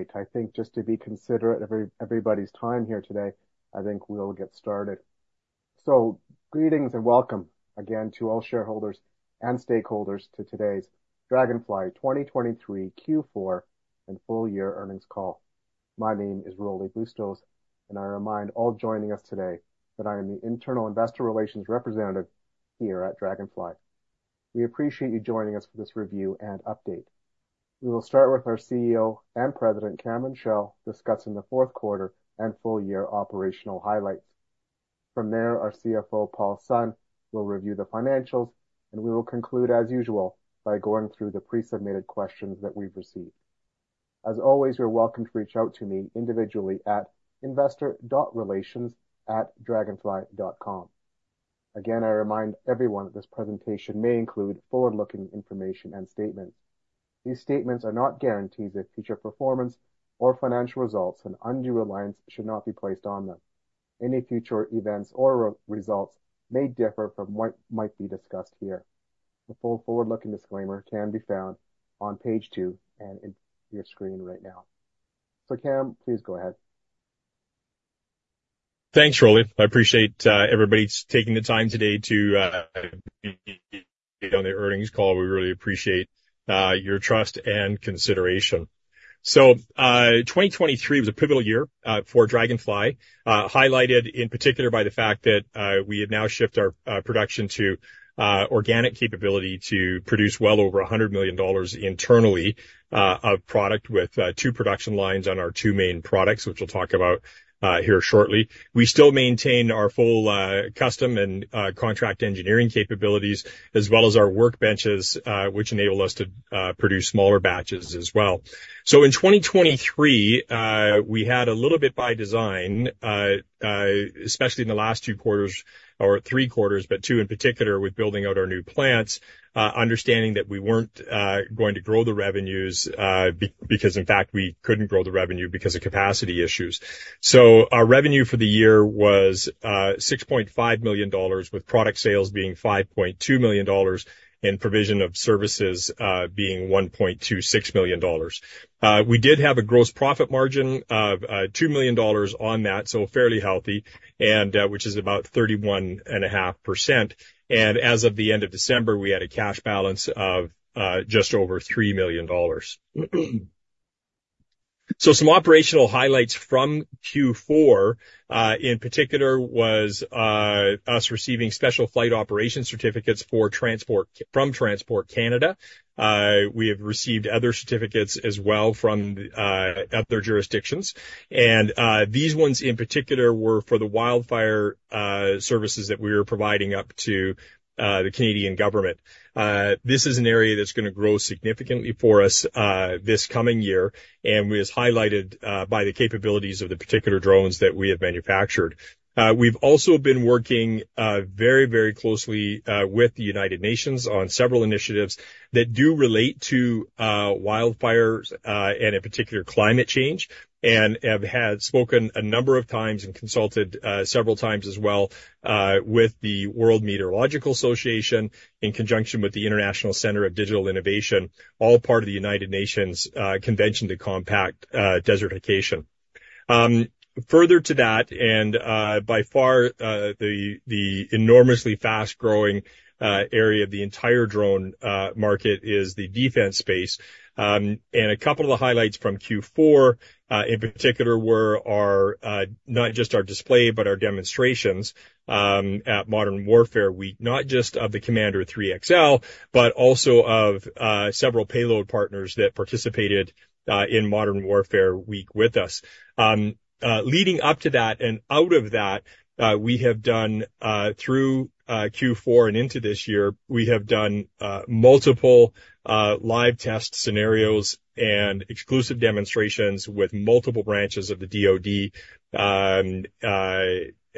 All right, I think just to be considerate of everybody's time here today, I think we'll get started. So greetings and welcome, again, to all shareholders and stakeholders to today's Draganfly 2023 Q4 and full year earnings call. My name is Rolly Bustos, and I remind all joining us today that I am the Internal Investor Relations Representative here at Draganfly. We appreciate you joining us for this review and update. We will start with our CEO and President, Cameron Chell, discussing the fourth quarter and full year operational highlights. From there, our CFO, Paul Sun, will review the financials, and we will conclude, as usual, by going through the pre-submitted questions that we've received. As always, you're welcome to reach out to me individually at investor.relations@draganfly.com. Again, I remind everyone that this presentation may include forward-looking information and statements. These statements are not guarantees of future performance or financial results, and undue reliance should not be placed on them. Any future events or results may differ from what might be discussed here. A full forward-looking disclaimer can be found on page 2 and on your screen right now. Cam, please go ahead. Thanks, Rolly. I appreciate everybody taking the time today to be on the earnings call. We really appreciate your trust and consideration. So 2023 was a pivotal year for Draganfly, highlighted in particular by the fact that we have now shifted our production to organic capability to produce well over $100 million internally of product with two production lines on our two main products, which we'll talk about here shortly. We still maintain our full custom and contract engineering capabilities, as well as our workbenches, which enable us to produce smaller batches as well. So in 2023, we had a little bit by design, especially in the last two quarters or three quarters, but two in particular, with building out our new plants, understanding that we weren't going to grow the revenues because, in fact, we couldn't grow the revenue because of capacity issues. So our revenue for the year was 6.5 million dollars, with product sales being 5.2 million dollars and provision of services being 1.26 million dollars. We did have a gross profit margin of 2 million dollars on that, so fairly healthy, which is about 31.5%. And as of the end of December, we had a cash balance of just over 3 million dollars. So some operational highlights from Q4, in particular, was us receiving Special Flight Operations Certificates from Transport Canada. We have received other certificates as well from other jurisdictions. And these ones, in particular, were for the wildfire services that we were providing up to the Canadian government. This is an area that's going to grow significantly for us this coming year, and it was highlighted by the capabilities of the particular drones that we have manufactured. We've also been working very, very closely with the United Nations on several initiatives that do relate to wildfires and, in particular, climate change, and have spoken a number of times and consulted several times as well with the World Meteorological Organization in conjunction with the International Centre of Digital Innovation, all part of the United Nations Convention to Combat Desertification. Further to that, and by far the enormously fast-growing area of the entire drone market is the defense space. And a couple of the highlights from Q4, in particular, were not just our display, but our demonstrations at Modern Warfare Week, not just of the Commander 3XL, but also of several payload partners that participated in Modern Warfare Week with us. Leading up to that and out of that, we have done through Q4 and into this year, we have done multiple live test scenarios and exclusive demonstrations with multiple branches of the DoD,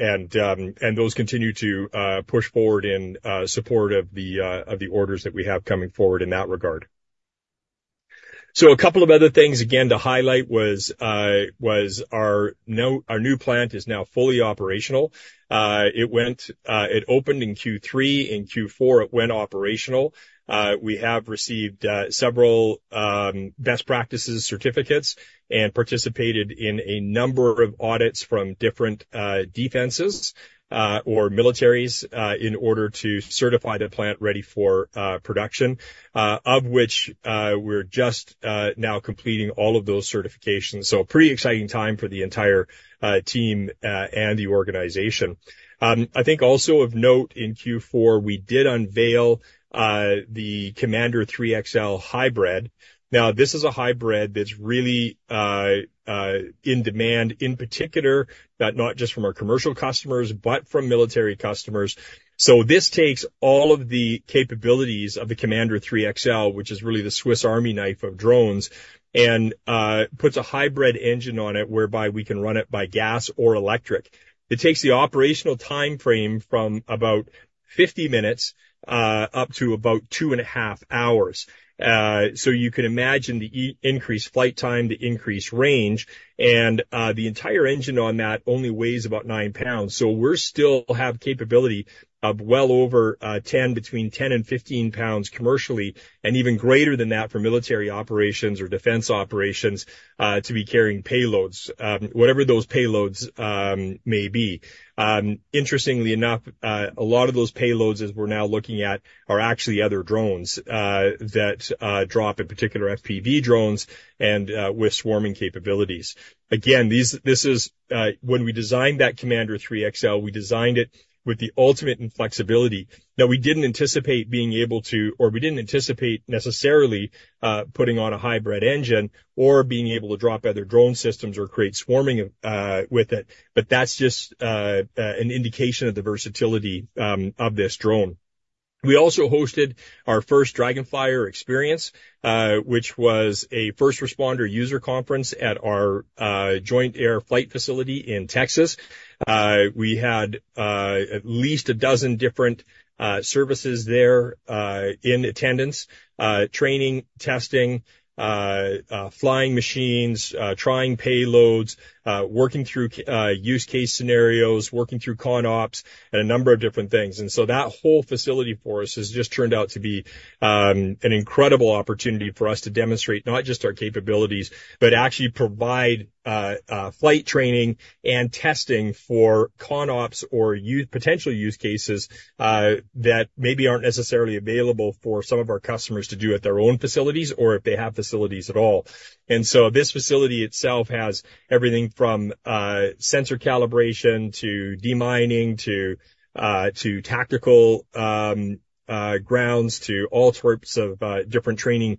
and those continue to push forward in support of the orders that we have coming forward in that regard. So a couple of other things, again, to highlight was our new plant is now fully operational. It opened in Q3. In Q4, it went operational. We have received several best practices certificates and participated in a number of audits from different defenses or militaries in order to certify the plant ready for production, of which we're just now completing all of those certifications. So a pretty exciting time for the entire team and the organization. I think also of note, in Q4, we did unveil the Commander 3XL Hybrid. Now, this is a hybrid that's really in demand, in particular, not just from our commercial customers, but from military customers. So this takes all of the capabilities of the Commander 3XL, which is really the Swiss Army knife of drones, and puts a hybrid engine on it whereby we can run it by gas or electric. It takes the operational time frame from about 50 minutes up to about 2.5 hours. So you can imagine the increased flight time, the increased range, and the entire engine on that only weighs about 9 pounds. So we still have capability of well over 10, between 10 and 15 pounds commercially, and even greater than that for military operations or defense operations to be carrying payloads, whatever those payloads may be. Interestingly enough, a lot of those payloads, as we're now looking at, are actually other drones that drop, in particular, FPV drones and with swarming capabilities. Again, when we designed that Commander 3XL, we designed it with the ultimate inflexibility. Now, we didn't anticipate being able to or we didn't anticipate necessarily putting on a hybrid engine or being able to drop other drone systems or create swarming with it. But that's just an indication of the versatility of this drone. We also hosted our first Draganflyer experience, which was a first responder user conference at our joint air flight facility in Texas. We had at least a dozen different services there in attendance: training, testing, flying machines, trying payloads, working through use case scenarios, working through ConOps, and a number of different things. That whole facility for us has just turned out to be an incredible opportunity for us to demonstrate not just our capabilities, but actually provide flight training and testing for ConOps or potential use cases that maybe aren't necessarily available for some of our customers to do at their own facilities or if they have facilities at all. This facility itself has everything from sensor calibration to demining to tactical grounds to all sorts of different training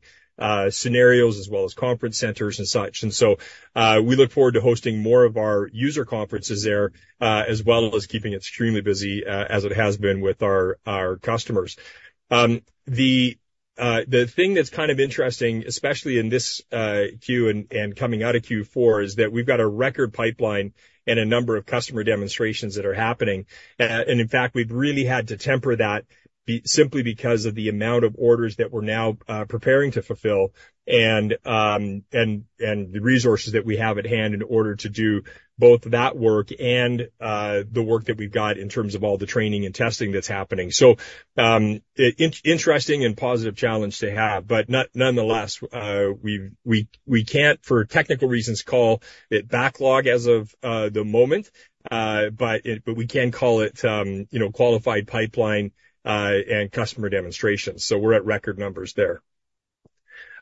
scenarios, as well as conference centers and such. We look forward to hosting more of our user conferences there, as well as keeping it extremely busy as it has been with our customers. The thing that's kind of interesting, especially in this Q and coming out of Q4, is that we've got a record pipeline and a number of customer demonstrations that are happening. And in fact, we've really had to temper that simply because of the amount of orders that we're now preparing to fulfill and the resources that we have at hand in order to do both that work and the work that we've got in terms of all the training and testing that's happening. So interesting and positive challenge to have. But nonetheless, we can't, for technical reasons, call it backlog as of the moment, but we can call it qualified pipeline and customer demonstrations. So we're at record numbers there.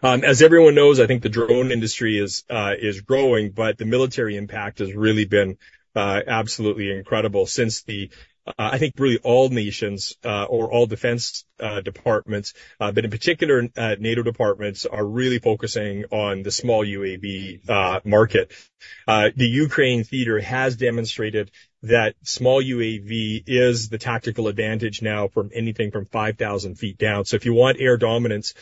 As everyone knows, I think the drone industry is growing, but the military impact has really been absolutely incredible since I think really all nations or all defense departments, but in particular, NATO departments, are really focusing on the small UAV market. The Ukraine theater has demonstrated that small UAV is the tactical advantage now from anything from 5,000 feet down. So if you want air dominance,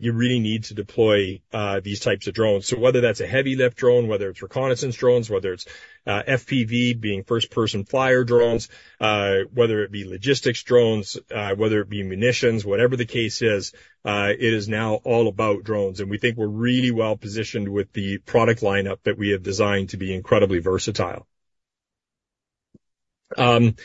you really need to deploy these types of drones. So whether that's a heavy lift drone, whether it's reconnaissance drones, whether it's FPV, being first-person view drones, whether it be logistics drones, whether it be munitions, whatever the case is, it is now all about drones. And we think we're really well positioned with the product lineup that we have designed to be incredibly versatile. Going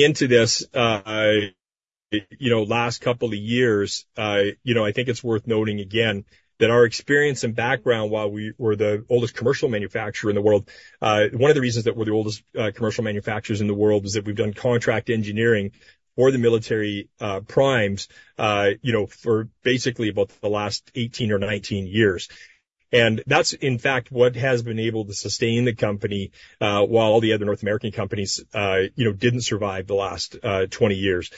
into this last couple of years, I think it's worth noting again that our experience and background, while we were the oldest commercial manufacturer in the world, one of the reasons that we're the oldest commercial manufacturers in the world is that we've done contract engineering for the military primes for basically about the last 18 or 19 years. That's, in fact, what has been able to sustain the company while all the other North American companies didn't survive the last 20 years.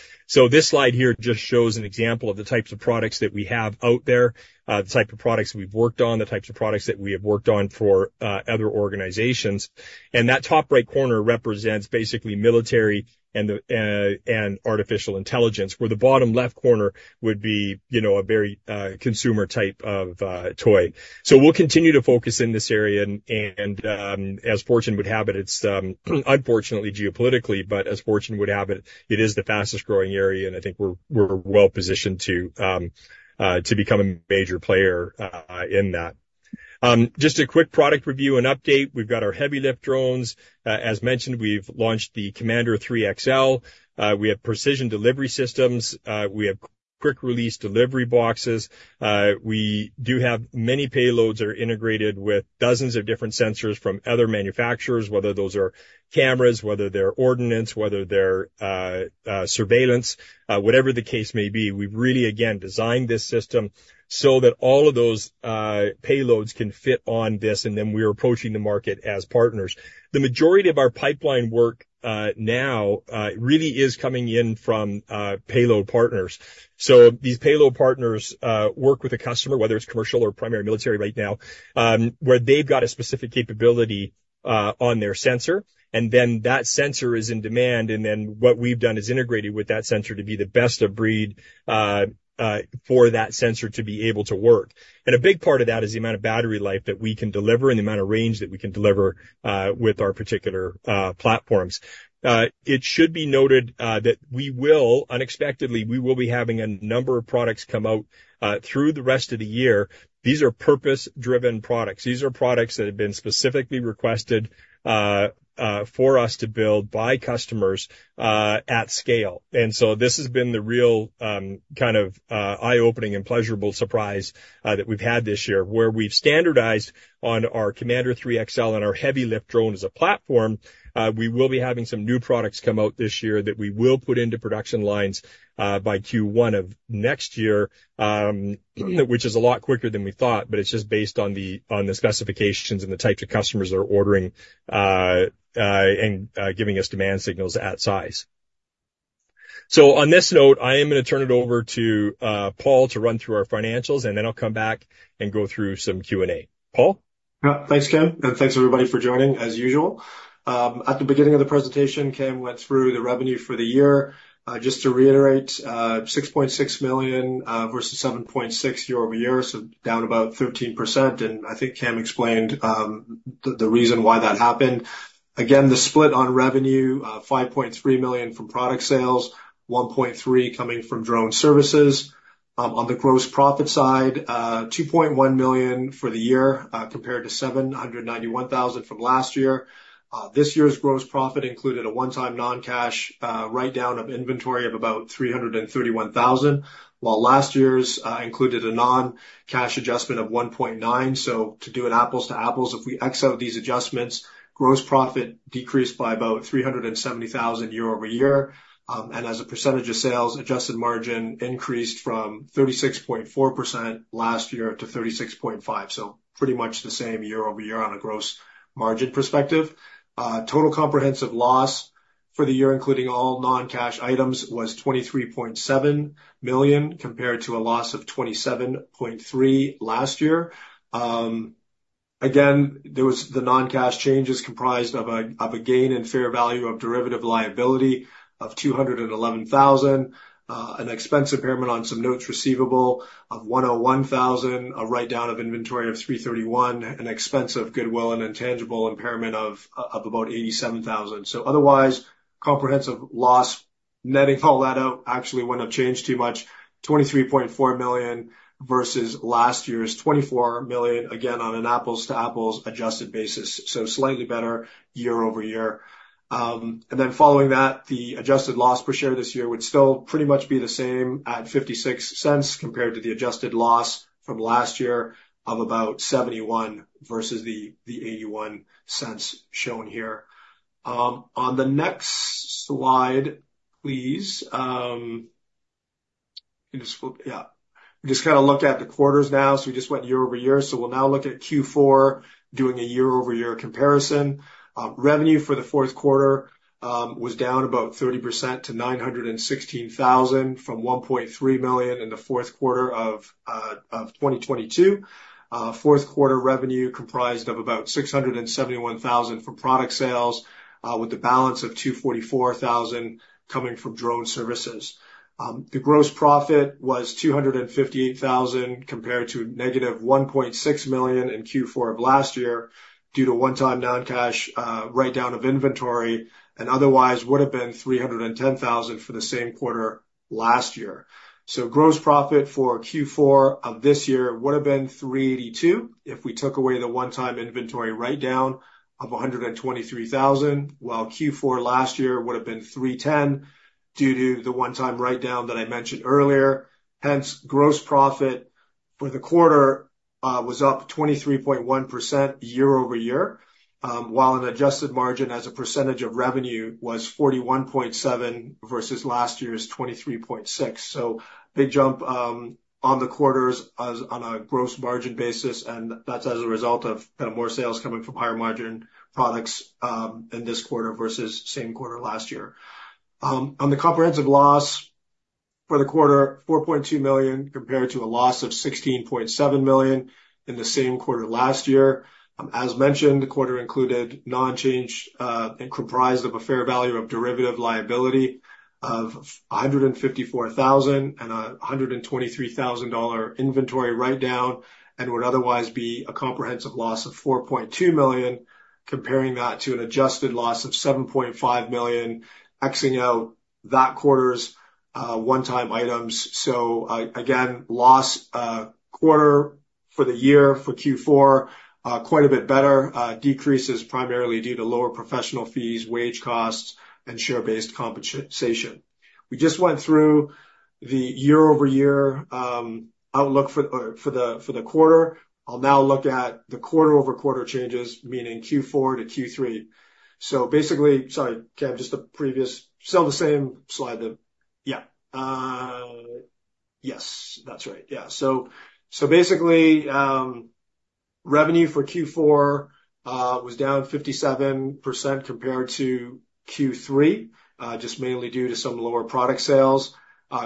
This slide here just shows an example of the types of products that we have out there, the type of products we've worked on, the types of products that we have worked on for other organizations. That top right corner represents basically military and artificial intelligence, where the bottom left corner would be a very consumer type of toy. We'll continue to focus in this area. As fortune would have it, it's, unfortunately, geopolitically, but as fortune would have it, it is the fastest growing area. I think we're well positioned to become a major player in that. Just a quick product review and update. We've got our heavy lift drones. As mentioned, we've launched the Commander 3XL. We have Precision Delivery Systems. We have quick-release delivery boxes. We do have many payloads that are integrated with dozens of different sensors from other manufacturers, whether those are cameras, whether they're ordnance, whether they're surveillance, whatever the case may be. We've really, again, designed this system so that all of those payloads can fit on this, and then we're approaching the market as partners. The majority of our pipeline work now really is coming in from payload partners. So these payload partners work with a customer, whether it's commercial or primary military right now, where they've got a specific capability on their sensor, and then that sensor is in demand. And then what we've done is integrated with that sensor to be the best of breed for that sensor to be able to work. A big part of that is the amount of battery life that we can deliver and the amount of range that we can deliver with our particular platforms. It should be noted that unexpectedly, we will be having a number of products come out through the rest of the year. These are purpose-driven products. These are products that have been specifically requested for us to build by customers at scale. And so this has been the real kind of eye-opening and pleasurable surprise that we've had this year, where we've standardized on our Commander 3XL and our Heavy Lift Drone as a platform. We will be having some new products come out this year that we will put into production lines by Q1 of next year, which is a lot quicker than we thought, but it's just based on the specifications and the types of customers that are ordering and giving us demand signals at size. So on this note, I am going to turn it over to Paul to run through our financials, and then I'll come back and go through some Q&A. Paul? Yeah. Thanks, Cam. And thanks, everybody, for joining, as usual. At the beginning of the presentation, Cam went through the revenue for the year. Just to reiterate, 6.6 million versus 7.6 million year-over-year, so down about 13%. And I think Cam explained the reason why that happened. Again, the split on revenue: 5.3 million from product sales, 1.3 million coming from drone services. On the gross profit side, 2.1 million for the year compared to 791,000 from last year. This year's gross profit included a one-time non-cash write-down of inventory of about 331,000, while last year's included a non-cash adjustment of 1.9 million. So to do an apples-to-apples, if we exclude these adjustments, gross profit decreased by about 370,000 year-over-year. As a percentage of sales, adjusted margin increased from 36.4% last year to 36.5%, so pretty much the same year-over-year on a gross margin perspective. Total comprehensive loss for the year, including all non-cash items, was 23.7 million compared to a loss of 27.3 million last year. Again, the non-cash changes comprised of a gain in fair value of derivative liability of 211,000, an impairment expense on some notes receivable of 101,000, a write-down of inventory of 331,000, an impairment expense of goodwill and intangible of about 87,000. So otherwise, comprehensive loss, netting all that out, actually went up changed too much: $23.4 million versus last year's $24 million, again, on an apples-to-apples adjusted basis, so slightly better year-over-year. Then following that, the adjusted loss per share this year would still pretty much be the same at $0.56 compared to the adjusted loss from last year of about $0.71 versus the $0.81 shown here. On the next slide, please. Yeah. We just kind of looked at the quarters now, so we just went year-over-year. So we'll now look at Q4, doing a year-over-year comparison. Revenue for the fourth quarter was down about 30% to $916,000 from $1.3 million in the fourth quarter of 2022. Fourth quarter revenue comprised of about $671,000 from product sales, with the balance of $244,000 coming from drone services. The gross profit was 258,000 compared to negative 1.6 million in Q4 of last year due to one-time non-cash write-down of inventory and otherwise would have been 310,000 for the same quarter last year. So gross profit for Q4 of this year would have been 382 if we took away the one-time inventory write-down of 123,000, while Q4 last year would have been 310 due to the one-time write-down that I mentioned earlier. Hence, gross profit for the quarter was up 23.1% year-over-year, while an adjusted margin as a percentage of revenue was 41.7% versus last year's 23.6%. So big jump on the quarters on a gross margin basis, and that's as a result of kind of more sales coming from higher margin products in this quarter versus same quarter last year. On the comprehensive loss for the quarter, $4.2 million compared to a loss of $16.7 million in the same quarter last year. As mentioned, the quarter included non-cash and comprised of a fair value of derivative liability of $154,000 and a $123,000 inventory write-down and would otherwise be a comprehensive loss of $4.2 million, comparing that to an adjusted loss of $7.5 million, excluding that quarter's one-time items. So again, loss quarter for the year for Q4, quite a bit better, decreases primarily due to lower professional fees, wage costs, and share-based compensation. We just went through the year-over-year outlook for the quarter. I'll now look at the quarter-over-quarter changes, meaning Q4 to Q3. So basically - sorry, Cam, just a previous - still the same slide, though. Yeah. Yes, that's right. Yeah. So basically, revenue for Q4 was down 57% compared to Q3, just mainly due to some lower product sales.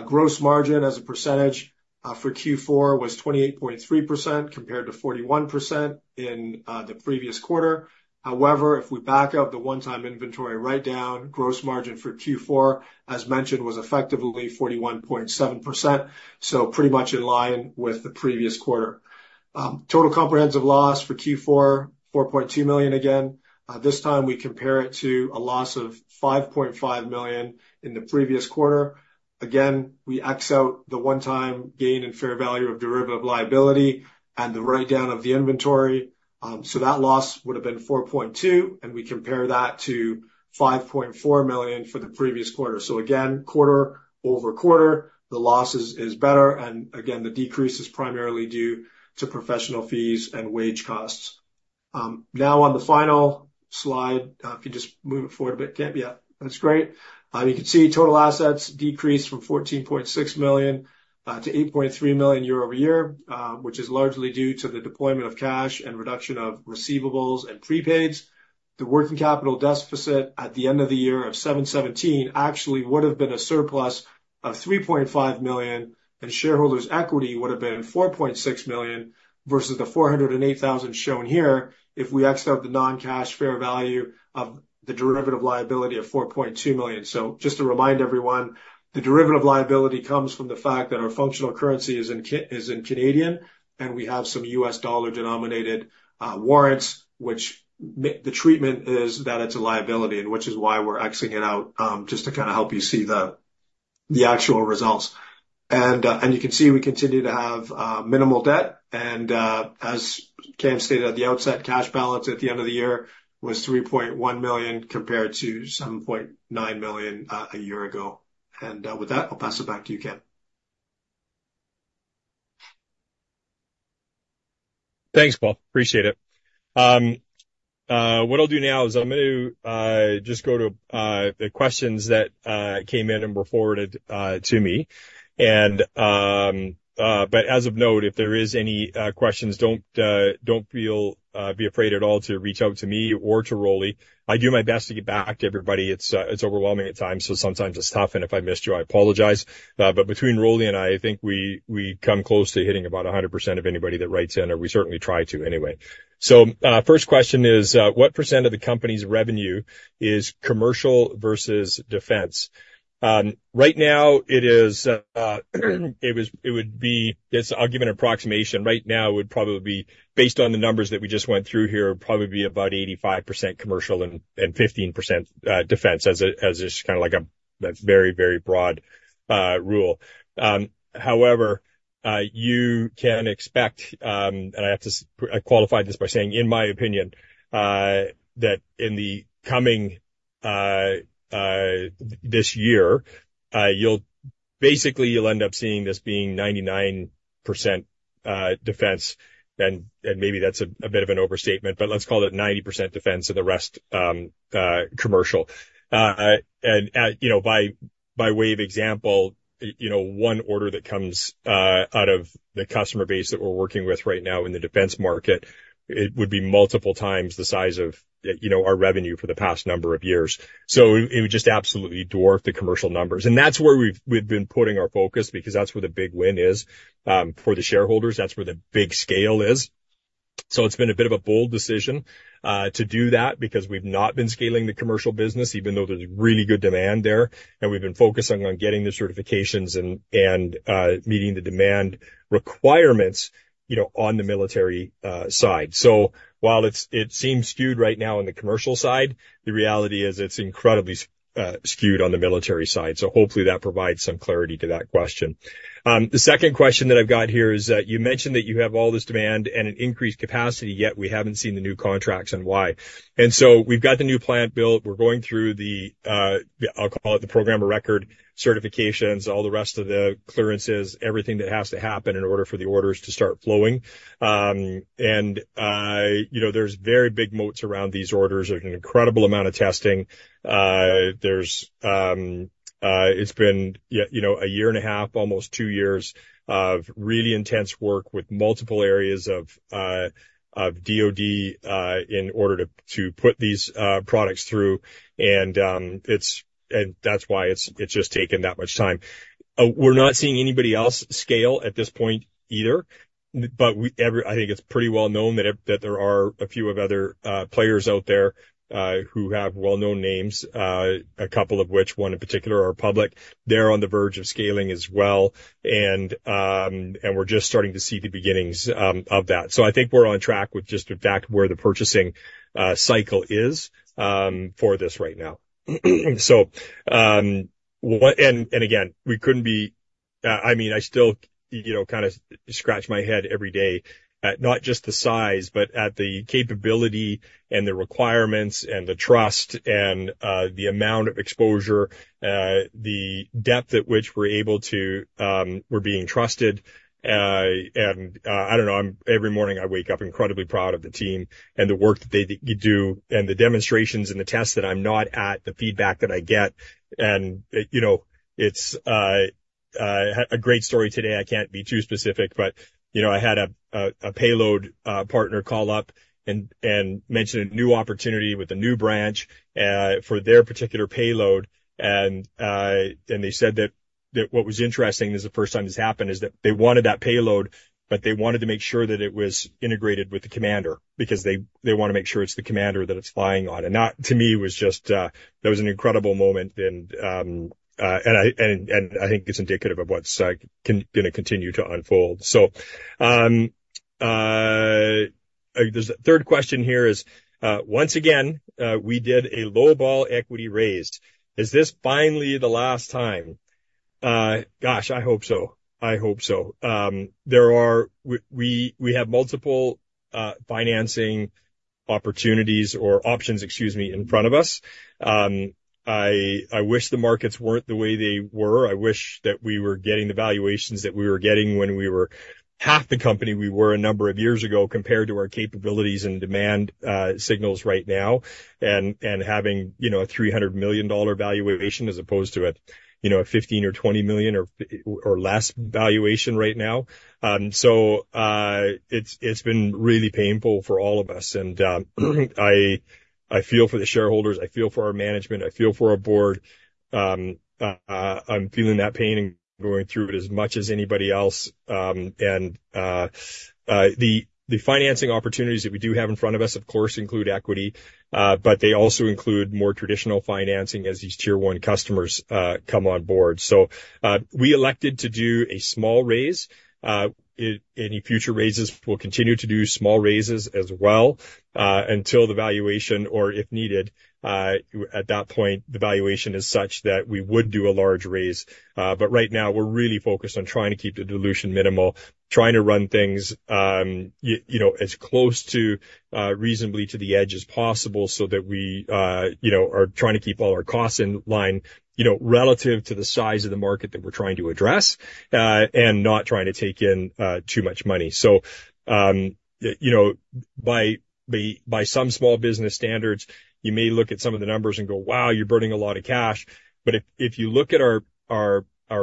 Gross margin as a percentage for Q4 was 28.3% compared to 41% in the previous quarter. However, if we back up the one-time inventory write-down, gross margin for Q4, as mentioned, was effectively 41.7%, so pretty much in line with the previous quarter. Total comprehensive loss for Q4, 4.2 million again. This time, we compare it to a loss of 5.5 million in the previous quarter. Again, we exclude the one-time gain in fair value of derivative liability and the write-down of the inventory. So that loss would have been 4.2 million, and we compare that to 5.4 million for the previous quarter. So again, quarter-over-quarter, the loss is better. And again, the decrease is primarily due to professional fees and wage costs. Now, on the final slide, if you just move it forward a bit, Cam. Yeah, that's great. You can see total assets decreased from 14.6 million to 8.3 million year-over-year, which is largely due to the deployment of cash and reduction of receivables and prepaids. The working capital deficit at the end of the year of 717,000 actually would have been a surplus of 3.5 million, and shareholders' equity would have been 4.6 million versus the 408,000 shown here if we exclude the non-cash fair value of the derivative liability of 4.2 million. So just to remind everyone, the derivative liability comes from the fact that our functional currency is in Canadian, and we have some US dollar-denominated warrants, which the treatment is that it's a liability, and which is why we're excluding it out just to kind of help you see the actual results. You can see we continue to have minimal debt. As Cam stated at the outset, cash balance at the end of the year was 3.1 million compared to 7.9 million a year ago. With that, I'll pass it back to you, Cam. Thanks, Paul. Appreciate it. What I'll do now is I'm going to just go to the questions that came in and were forwarded to me. But as a note, if there are any questions, don't feel afraid at all to reach out to me or to Rolly. I do my best to get back to everybody. It's overwhelming at times, so sometimes it's tough. And if I missed you, I apologize. But between Rolly and I, I think we come close to hitting about 100% of anybody that writes in, or we certainly try to anyway. So first question is, what % of the company's revenue is commercial versus defense? Right now, it would be. I'll give an approximation. Right now, it would probably be, based on the numbers that we just went through here, it would probably be about 85% commercial and 15% defense, as it's kind of like a very, very broad rule. However, you can expect - and I have to qualify this by saying, in my opinion - that in the coming this year, basically, you'll end up seeing this being 99% defense. And maybe that's a bit of an overstatement, but let's call it 90% defense and the rest commercial. And by way of example, one order that comes out of the customer base that we're working with right now in the defense market, it would be multiple times the size of our revenue for the past number of years. So it would just absolutely dwarf the commercial numbers. And that's where we've been putting our focus because that's where the big win is for the shareholders. That's where the big scale is. So it's been a bit of a bold decision to do that because we've not been scaling the commercial business, even though there's really good demand there. And we've been focusing on getting the certifications and meeting the demand requirements on the military side. So while it seems skewed right now on the commercial side, the reality is it's incredibly skewed on the military side. So hopefully, that provides some clarity to that question. The second question that I've got here is that you mentioned that you have all this demand and an increased capacity, yet we haven't seen the new contracts and why. And so we've got the new plant built. We're going through the, I'll call it, Program of Record certifications, all the rest of the clearances, everything that has to happen in order for the orders to start flowing. And there's very big moats around these orders. There's an incredible amount of testing. It's been a year and a half, almost two years of really intense work with multiple areas of DoD in order to put these products through. And that's why it's just taken that much time. We're not seeing anybody else scale at this point either. But I think it's pretty well known that there are a few other players out there who have well-known names, a couple of which, one in particular, are public. They're on the verge of scaling as well. And we're just starting to see the beginnings of that. So I think we're on track with just the fact where the purchasing cycle is for this right now. And again, we couldn't be, I mean, I still kind of scratch my head every day, not just the size, but at the capability and the requirements and the trust and the amount of exposure, the depth at which we're able to, we're being trusted. And I don't know. Every morning, I wake up incredibly proud of the team and the work that they do and the demonstrations and the tests that I'm not at, the feedback that I get. And it's a great story today. I can't be too specific. But I had a payload partner call up and mention a new opportunity with a new branch for their particular payload. And they said that what was interesting, this is the first time this happened, is that they wanted that payload, but they wanted to make sure that it was integrated with the commander because they want to make sure it's the commander that it's flying on. And to me, it was just, that was an incredible moment. And I think it's indicative of what's going to continue to unfold. So the third question here is, once again, we did a low-ball equity raise. Is this finally the last time? Gosh, I hope so. I hope so. We have multiple financing opportunities or options, excuse me, in front of us. I wish the markets weren't the way they were. I wish that we were getting the valuations that we were getting when we were half the company we were a number of years ago compared to our capabilities and demand signals right now and having a $300 million valuation as opposed to a $15 million or $20 million or less valuation right now. So it's been really painful for all of us. And I feel for the shareholders. I feel for our management. I feel for our board. I'm feeling that pain and going through it as much as anybody else. And the financing opportunities that we do have in front of us, of course, include equity, but they also include more traditional financing as these tier one customers come on board. So we elected to do a small raise. Any future raises will continue to do small raises as well until the valuation or if needed. At that point, the valuation is such that we would do a large raise. But right now, we're really focused on trying to keep the dilution minimal, trying to run things as close to reasonably to the edge as possible so that we are trying to keep all our costs in line relative to the size of the market that we're trying to address and not trying to take in too much money. So by some small business standards, you may look at some of the numbers and go, "Wow, you're burning a lot of cash." But if you look at our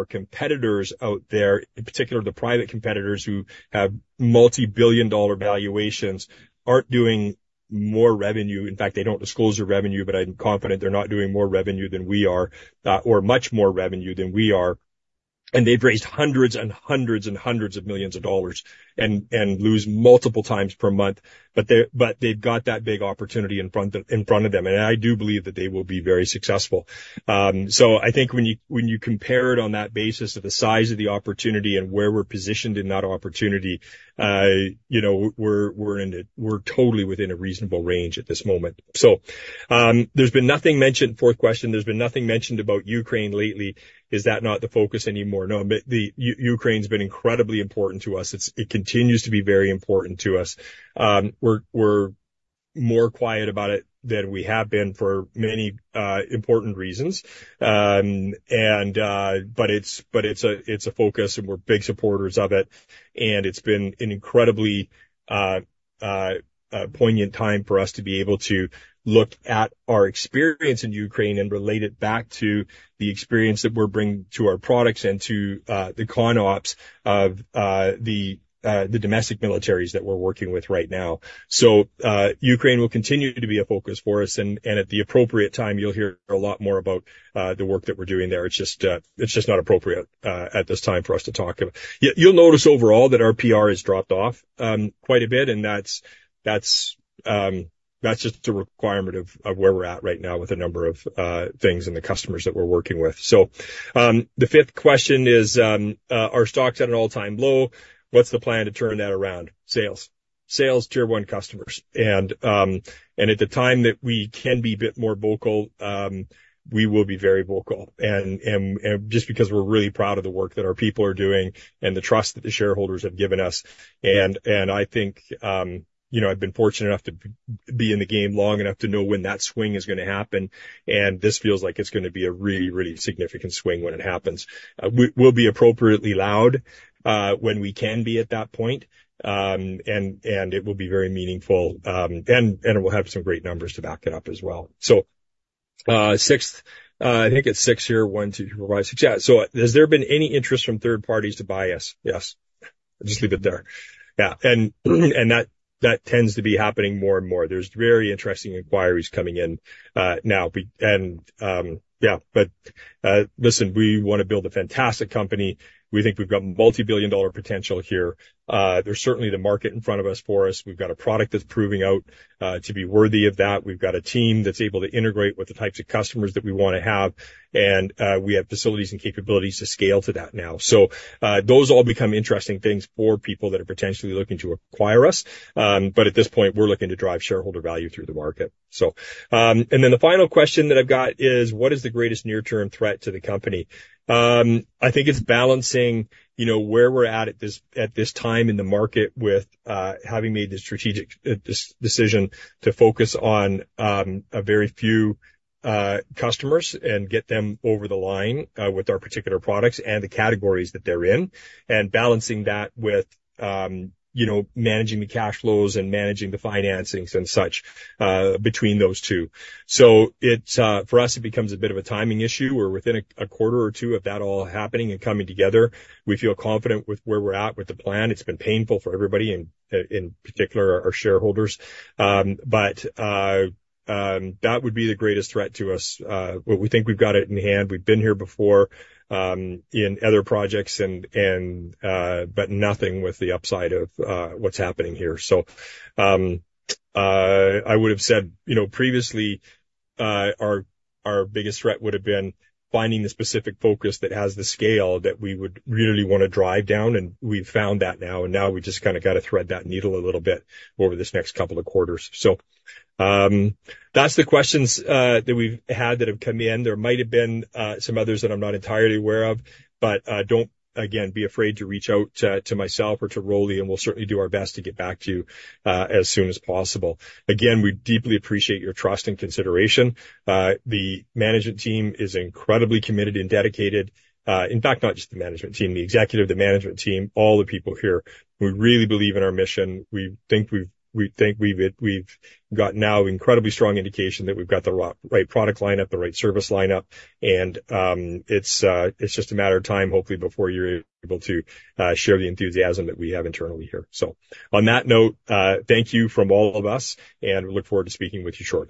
competitors out there, in particular, the private competitors who have multibillion-dollar valuations, aren't doing more revenue. In fact, they don't disclose their revenue, but I'm confident they're not doing more revenue than we are or much more revenue than we are. They've raised hundreds and hundreds and hundreds of $ millions and lose multiple times per month. But they've got that big opportunity in front of them. I do believe that they will be very successful. I think when you compare it on that basis to the size of the opportunity and where we're positioned in that opportunity, we're totally within a reasonable range at this moment. There's been nothing mentioned, fourth question, there's been nothing mentioned about Ukraine lately. Is that not the focus anymore? No, Ukraine's been incredibly important to us. It continues to be very important to us. We're more quiet about it than we have been for many important reasons. But it's a focus, and we're big supporters of it. It's been an incredibly poignant time for us to be able to look at our experience in Ukraine and relate it back to the experience that we're bringing to our products and to the con-ops of the domestic militaries that we're working with right now. So Ukraine will continue to be a focus for us. At the appropriate time, you'll hear a lot more about the work that we're doing there. It's just not appropriate at this time for us to talk about. You'll notice overall that our PR has dropped off quite a bit. That's just a requirement of where we're at right now with a number of things and the customers that we're working with. So the fifth question is, are stocks at an all-time low? What's the plan to turn that around? Sales. Sales, tier one customers. And at the time that we can be a bit more vocal, we will be very vocal. And just because we're really proud of the work that our people are doing and the trust that the shareholders have given us. And I think I've been fortunate enough to be in the game long enough to know when that swing is going to happen. And this feels like it's going to be a really, really significant swing when it happens. We'll be appropriately loud when we can be at that point. And it will be very meaningful. And we'll have some great numbers to back it up as well. So sixth, I think it's six here. One, two, three, four, five, six. Yeah. So has there been any interest from third parties to buy us? Yes. Just leave it there. Yeah. And that tends to be happening more and more. There's very interesting inquiries coming in now. And yeah. But listen, we want to build a fantastic company. We think we've got multibillion-dollar potential here. There's certainly the market in front of us for us. We've got a product that's proving out to be worthy of that. We've got a team that's able to integrate with the types of customers that we want to have. And we have facilities and capabilities to scale to that now. So those all become interesting things for people that are potentially looking to acquire us. But at this point, we're looking to drive shareholder value through the market. And then the final question that I've got is, what is the greatest near-term threat to the company? I think it's balancing where we're at at this time in the market with having made this strategic decision to focus on a very few customers and get them over the line with our particular products and the categories that they're in and balancing that with managing the cash flows and managing the financings and such between those two. For us, it becomes a bit of a timing issue. We're within a quarter or two of that all happening and coming together. We feel confident with where we're at with the plan. It's been painful for everybody, in particular, our shareholders. That would be the greatest threat to us. We think we've got it in hand. We've been here before in other projects, but nothing with the upside of what's happening here. I would have said previously, our biggest threat would have been finding the specific focus that has the scale that we would really want to drive down. We've found that now. Now we just kind of got to thread that needle a little bit over this next couple of quarters. That's the questions that we've had that have come in. There might have been some others that I'm not entirely aware of. Don't, again, be afraid to reach out to myself or to Rolly. We'll certainly do our best to get back to you as soon as possible. Again, we deeply appreciate your trust and consideration. The management team is incredibly committed and dedicated. In fact, not just the management team, the executive, the management team, all the people here. We really believe in our mission. We think we've got now incredibly strong indication that we've got the right product lineup, the right service lineup. And it's just a matter of time, hopefully, before you're able to share the enthusiasm that we have internally here. So on that note, thank you from all of us. And we look forward to speaking with you shortly.